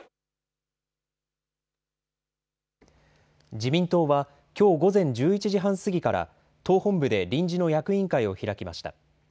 自民党は、きょう午前１１時半過ぎから、党本部で臨時の役員会を開きました。